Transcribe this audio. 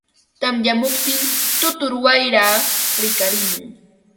tamyamuptin tutur wayraa rikarimun.